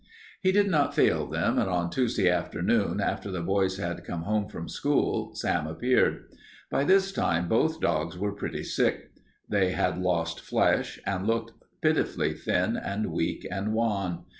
He did not fail them, and on Tuesday afternoon after the boys had come home from school Sam appeared. By this time both dogs were pretty sick. They had lost flesh and looked pitifully thin and weak and wan.